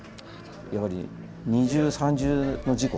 やはり二重三重の事故